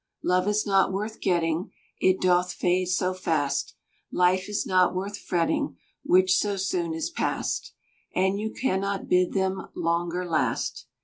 Love is not worth getting, It doth fade so fast. Life is not worth fretting Which so soon is past; And you cannot Bid them longer last.